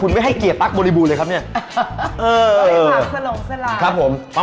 อะไรฮะใช่ครับนาติฟูตแล้วก็กระปกมาก